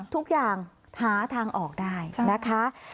ทุกอย่างหาทางออกได้นะคะ